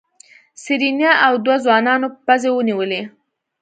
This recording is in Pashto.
سېرېنا او دوو ځوانانو پزې ونيولې.